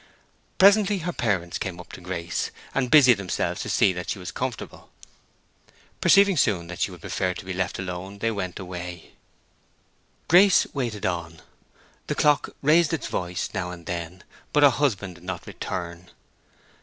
Presently her parents came up to Grace, and busied themselves to see that she was comfortable. Perceiving soon that she would prefer to be left alone they went away. Grace waited on. The clock raised its voice now and then, but her husband did not return.